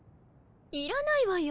いらないわよ